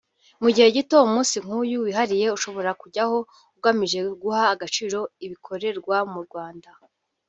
Mu gihe gito umunsi nk’uyu wihariye ushobora kujyaho ugamije guha agaciro ibikorerwa mu Rwanda